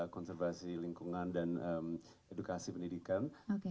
konservasi lingkungan dan edukasi pendidikan